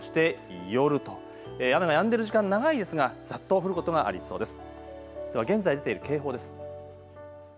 朝、そして昼、そして夜と雨がやんでいる時間長いですがざっと降ることがありそうです。